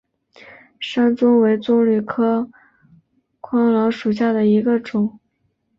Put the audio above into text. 山棕为棕榈科桄榔属下的一个种。